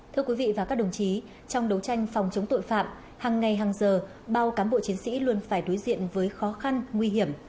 thưa quý vị và các đồng chí trong đấu tranh phòng chống tội phạm hàng ngày hàng giờ bao cám bộ chiến sĩ luôn phải đối diện với khó khăn nguy hiểm